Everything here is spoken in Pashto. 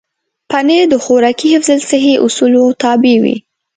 پنېر د خوراکي حفظ الصحې اصولو تابع وي.